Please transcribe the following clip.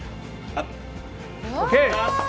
ＯＫ！